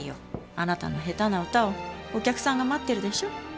あなたの下手な歌をお客さんが待ってるでしょ。